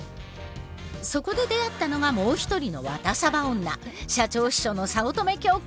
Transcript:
そこで出会ったのがもう一人のワタサバ女社長秘書の早乙女京子。